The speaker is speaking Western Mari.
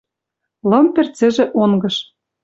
Лым пӹрцӹжӹ онгыш